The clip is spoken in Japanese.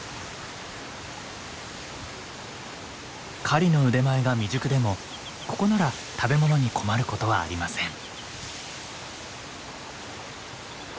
狩りの腕前が未熟でもここなら食べ物に困ることはありません。